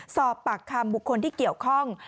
สอบปากคำบุคคลที่เกี่ยวข้อง